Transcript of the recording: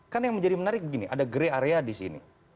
kan yang menjadi menarik begini ada grey area disini